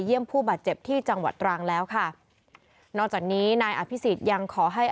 ผู้บาดเจ็บที่จังหวัดตรังแล้วค่ะนอกจากนี้นายอภิษฎยังขอให้